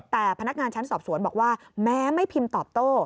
แต่พนักงานชั้นสอบสวนบอกว่าแม้ไม่พิมพ์ตอบโต้